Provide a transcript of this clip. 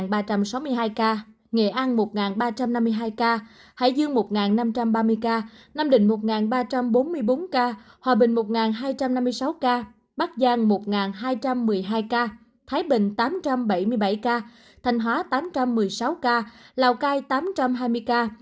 nghệ an một ba trăm năm mươi hai ca hải dương một năm trăm ba mươi ca nam định một ba trăm bốn mươi bốn ca hòa bình một hai trăm năm mươi sáu ca bắc giang một hai trăm một mươi hai ca thái bình tám trăm bảy mươi bảy ca thành hóa tám trăm một mươi sáu ca lào cai tám trăm hai mươi ca